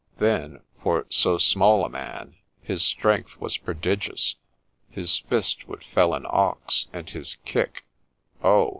Then, for so small a man, his strength was prodigious ; his fist would fell an ox, and his kick — oh